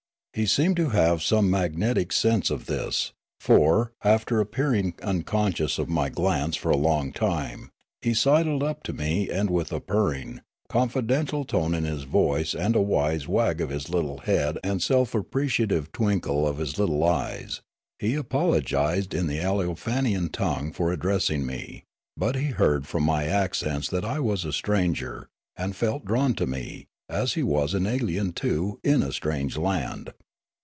He seemed to have some magnetic sense of this, for, after appearing unconscious of my glance for a long time, he sidled up to me and with a purring, confidential tone in his voice and a wise wag of his little head and self appreciative twinkle of his little eyes, he apologised in the Aleofanian tongue for addressing me ; but he heard from my accents that I was a stranger, and felt drawn to me, as he was an alien, too, in a strange land.